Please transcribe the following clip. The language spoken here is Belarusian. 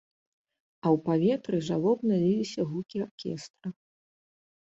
А ў паветры жалобна ліліся гукі аркестра.